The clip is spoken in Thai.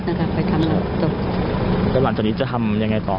ตอนทำพิธีเราได้บอกทำยังไงบ้าง